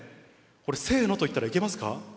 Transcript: これ、せーのと言ったらいけますか？